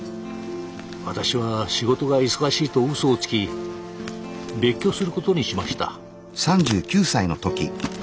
私は仕事が忙しいと嘘をつき別居することにしました。